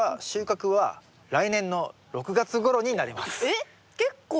えっ結構。